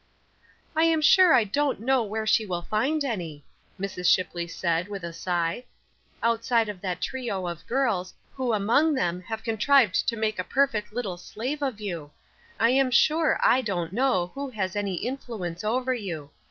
"I am sure I don't know where she will find any," Mrs. Shipley said, with a sigh, "outside of that trio of girls, who among them have contrived to make a perfect little slave of you. I am sure I don't know who has any influence over you.